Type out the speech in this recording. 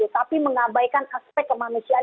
tapi mengabaikan aspek kemanusiaan